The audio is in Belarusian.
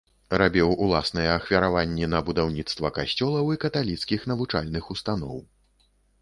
Рабіў уласныя ахвяраванні на будаўніцтва касцёлаў і каталіцкіх навучальных устаноў.